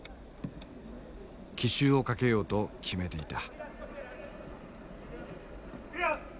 奇襲をかけようと決めていた。